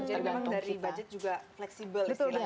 jadi memang dari budget juga fleksibel sih